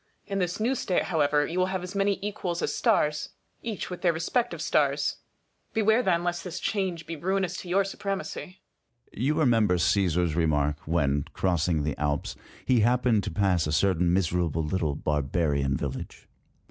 In this new state, however, you will have as many equals as stars, each with their respective stars. Beware then lest this change be ruinous to your supremacy. Sun. You remember Csesar's remark, when, crossing the Alps, he happened to pass a certain miserable little barbarian village.